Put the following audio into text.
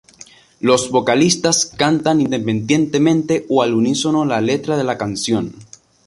Los vocalistas cantan independientemente o al unísono la letra de la canción.